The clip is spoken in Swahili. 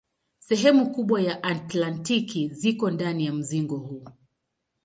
Sehemu kubwa ya Antaktiki ziko ndani ya mzingo huu.